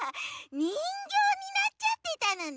にんぎょうになっちゃってたのね。